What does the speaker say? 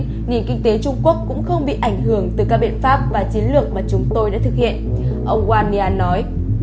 kể đến nền kinh tế trung quốc cũng không bị ảnh hưởng từ các biện pháp và chiến lược mà chúng tôi đã thực hiện ông wang nian nói